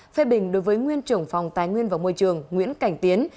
phê bình đối với nguyên chủng phòng tái nguyên và môi trường nguyễn cảnh tiến